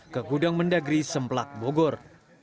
ke gudang mendagri semplak bogor